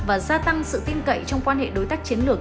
và gia tăng sự tin cậy trong quan hệ đối tác chiến lược